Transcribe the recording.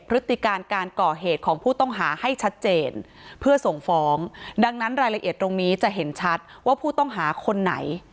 พฤติการการก่อเหตุของผู้ต้องหาให้ชัดเจนเพื่อส่งฟ้องดังนั้นรายละเอียดตรงนี้จะเห็นชัดว่าผู้ต้องหาคนไหน